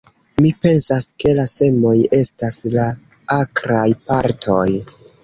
Mi pensas, ke la semoj estas la akraj partoj.